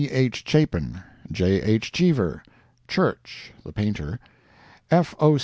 H. Chapin, J. H. Cheever, Church, the painter, F. O.